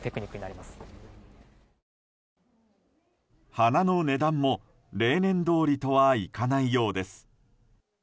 花の値段も、例年どおりとはいかないようです。